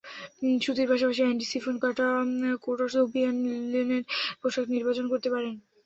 সুতির পাশাপাশি অ্যান্ডি, শিফন, কোটা, ধুপিয়ান, লিলেনের পোশাক নির্বাচন করতে পারেন।